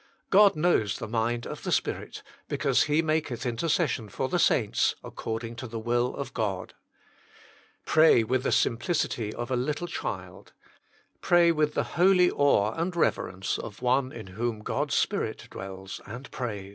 God knows the mind of the Spirit, because He maketh intercession for the saints according to the will of God. Pray witli the simplicity of a little child ; pray with the holy awe and reverence of one in whom God s Spirit dwells and prays.